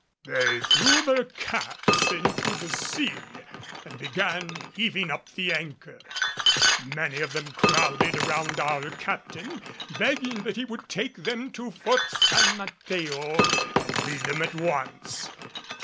They threw their caps into the sea and began heaving up the anchor. Many of them crowded around our Captain, begging that he would take them to Fort San Mateo and lead them at once.